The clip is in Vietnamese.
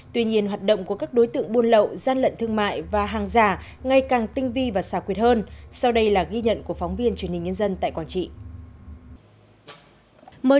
tuy nhiên hoạt động của các đối tượng buôn lậu gian lận thương mại và hàng giả ngày càng tinh vi và xào quyệt hơn sau đây là ghi nhận của phóng viên truyền hình nhân dân tại quảng trị